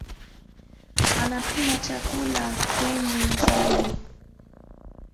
Anapima chakula kwenye mzani